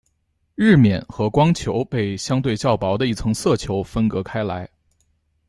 日冕和光球被相对较薄的一层色球分隔开来。